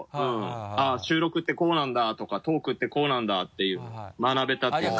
「あぁ収録ってこうなんだ」とか「トークってこうなんだ」ていうの学べたっていうか。